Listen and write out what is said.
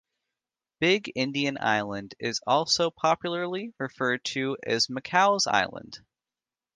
Big Indian island is also popularly referred to as Micou's Island.